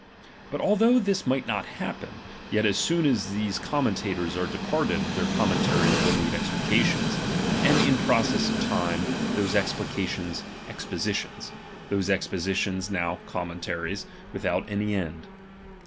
But although this might not hap pen, yet as soon as these commentators are de parted, their commentaries will need explications ; and in process of time, those explications exposi tions ; those expositions new commentaries, with out any end.